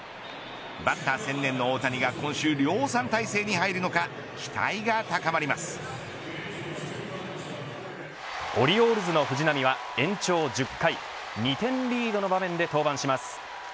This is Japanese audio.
バッター専念の大谷が今週量産体制に入るのかオリオールズの藤浪は延長１０回２点リードの場面で登板します。